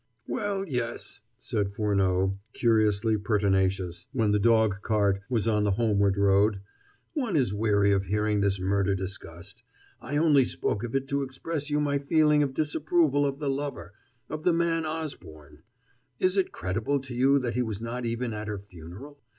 "Well, yes," said Furneaux, curiously pertinacious, when the dog cart was on the homeward road, "one is weary of hearing this murder discussed. I only spoke of it to express to you my feeling of disapproval of the lover of the man Osborne. Is it credible to you that he was not even at her funeral?